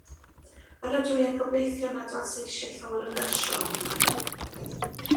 Yr ydw i yn gobeithio nad oes eisio llawer o nyrsio arna i.